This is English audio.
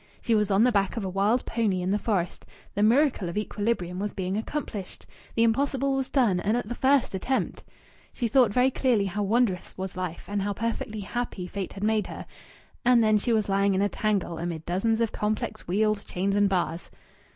She was on the back of a wild pony in the forest. The miracle of equilibrium was being accomplished. The impossible was done, and at the first attempt. She thought very clearly how wondrous was life, and how perfectly happy fate had made her. And then she was lying in a tangle amid dozens of complex wheels, chains, and bars.